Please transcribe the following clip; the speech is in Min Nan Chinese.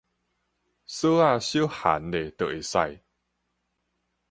索仔小 𫟂 咧就會使